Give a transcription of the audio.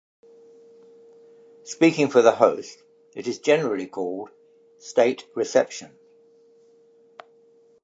Speaking for the host, it is generally called a "state reception".